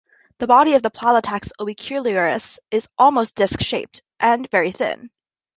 The body of "Platax orbicularis" is almost disc-shaped, and very thin.